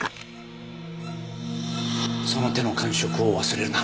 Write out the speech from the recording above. その手の感触を忘れるな。